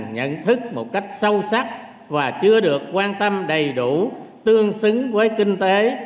nhận thức một cách sâu sắc và chưa được quan tâm đầy đủ tương xứng với kinh tế